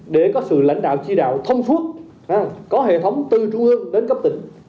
để có sự lãnh đạo chi đạo thông suốt có hệ thống từ trung ương đến cấp tỉnh